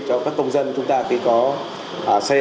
cho các công dân chúng ta khi có xe